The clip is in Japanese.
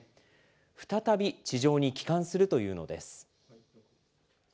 再び、地上に帰還するというのです。